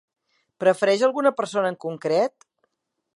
Prefereix alguna persona en concret?